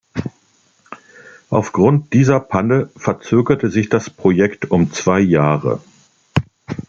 Aufgrund dieser Panne verzögerte sich das Projekt um zwei Jahre.